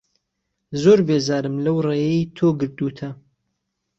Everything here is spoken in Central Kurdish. زۆر بێزارم لهو رێیهی تۆ گرتووته